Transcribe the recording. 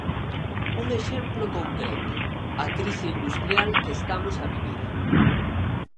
Un exemplo concreto: a crise industrial que estamos a vivir.